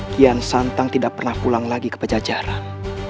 kian santang tidak pernah pulang lagi ke pejajaran